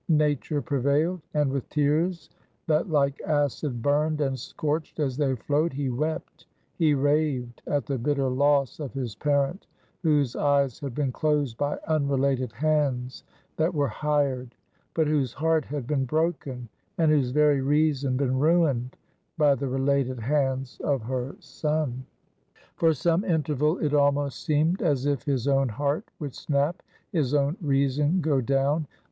Nature prevailed; and with tears that like acid burned and scorched as they flowed, he wept, he raved, at the bitter loss of his parent; whose eyes had been closed by unrelated hands that were hired; but whose heart had been broken, and whose very reason been ruined, by the related hands of her son. For some interval it almost seemed as if his own heart would snap; his own reason go down.